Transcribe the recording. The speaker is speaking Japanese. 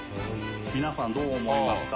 皆さんどう思いますか？